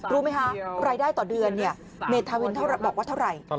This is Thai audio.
รู้ไหมคะรายได้ต่อเดือนเมธาวินบอกว่าเท่าไหร่